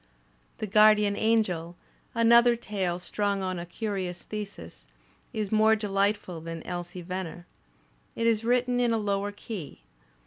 "The Guardian Angel," another tale strung on a curious thesis, is more delightful than "Elsie Venner." It is written in a lower key.